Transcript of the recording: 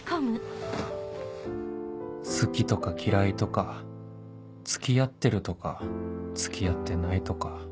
好きとか嫌いとか付き合ってるとか付き合ってないとか